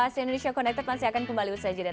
si indonesia connected masih akan kembali usai jeda